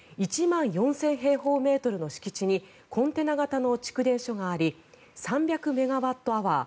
１万４０００平方メートルの敷地にコンテナ型の蓄電所があり３００メガワットアワー